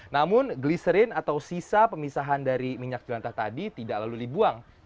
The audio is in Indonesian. namun gliserin atau sisa pemisahan dari minyak jelantah tadi tidak lalu dibuang